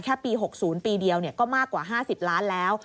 แค่ปี๖๐ปีเดียวก็มากกว่า๕๐ล้านแล้ว